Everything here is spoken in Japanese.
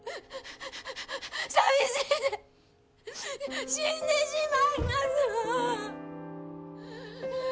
寂しいて死んでしまいますわ！